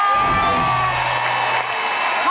อยากตอบเลยไหม